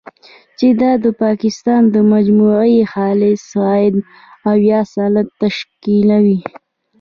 چې دا د پاکستان د مجموعي خالص عاید، اویا سلنه تشکیلوي.